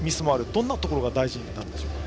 どんなところが大事になるんでしょうか。